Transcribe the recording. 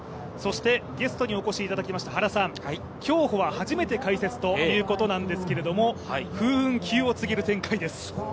ゲストにお越しいただきました原さんは競歩は初めて解説ということなんですけれども風雲急を告げる展開です。